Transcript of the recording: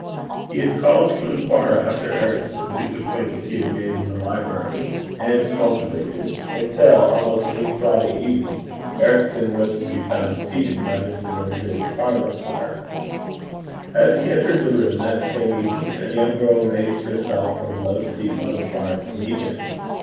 He had called to inquire after Ericson, whose acquaintance he had made in the library, and cultivated until almost any Friday evening Ericson was to be found seated by Mr. Lindsay's parlour fire. As he entered the room that same evening, a young girl raised herself from a low seat by the fire to meet him.